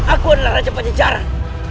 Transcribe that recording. aku adalah raja panjajaran